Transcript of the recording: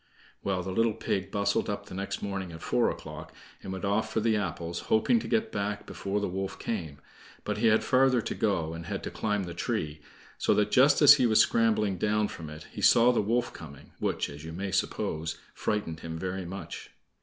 Well, the little pig bustled up the next morning at four o'clock, and went off for the apples, hoping to get back before the wolf came; but he had farther to go, and had to climb the tree, so that just as he was scrambling down from it, he saw the wolf coming, which, as you may suppose, frightened him very much.